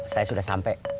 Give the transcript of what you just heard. saya sudah sampe